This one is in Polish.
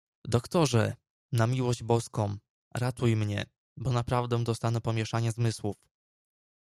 "Doktorze, na miłość Boską, ratuj mnie, bo naprawdę dostanę pomieszania zmysłów!"